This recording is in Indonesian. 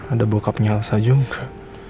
ada bokapnya elsa juga